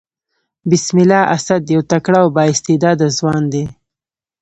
بسم الله اسد يو تکړه او با استعداده ځوان دئ.